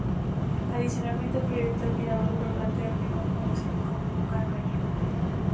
Adicionalmente, proyectó el mirador colgante de hormigón, conocido como "boca de ballena".